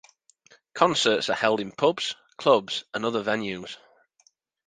Concerts are held in pubs, clubs, and other venues.